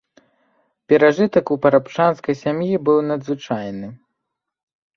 Перажытак у парабчанскай сям'і быў надзвычайны.